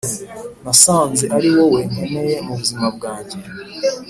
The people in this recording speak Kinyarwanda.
Nasanze ariwowe nkeneye mubuzima bwanjye